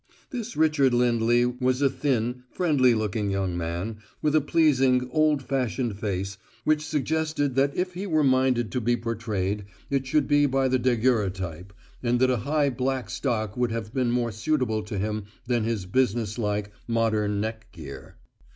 This Richard Lindley was a thin, friendly looking young man with a pleasing, old fashioned face which suggested that if he were minded to be portrayed it should be by the daguerreotype, and that a high, black stock would have been more suitable to him than his businesslike, modern neck gear.